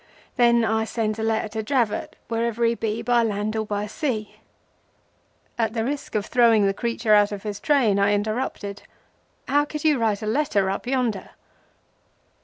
Then I sends a letter to Dravot, wherever he be by land or by sea." At the risk of throwing the creature out of train I interrupted,—"How could you write a letter up yonder?"